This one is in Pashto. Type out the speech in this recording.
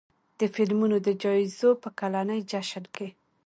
د فلمونو د جایزو په کلني جشن کې